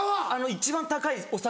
一番高いお札